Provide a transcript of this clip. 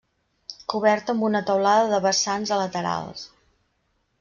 Coberta amb una teulada de vessants a laterals.